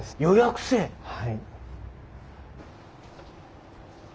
はい。